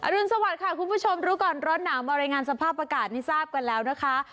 รุนสวัสดิค่ะคุณผู้ชมรู้ก่อนร้อนหนาวมารายงานสภาพอากาศให้ทราบกันแล้วนะคะ